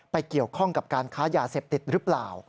เกี่ยวข้องกับการค้ายาเสพติดหรือเปล่า